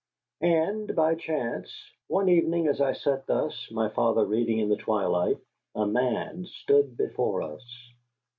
And by chance, one evening as I sat thus, my father reading in the twilight, a man stood before us.